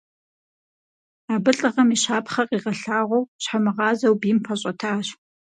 Абы лӀыгъэм и щапхъэ къигъэлъагъуэу, щхьэмыгъазэу бийм пэщӀэтащ.